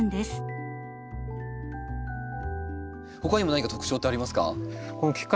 他にも何か特徴ってありますか？